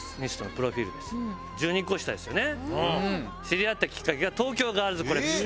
知り合ったきっかけが東京ガールズコレクション。